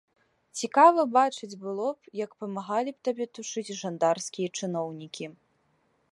Цікава бачыць было б, як памагалі б табе тушыць жандарскія чыноўнікі.